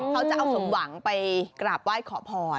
เขาจะเอาสมหวังไปกราบไหว้ขอพร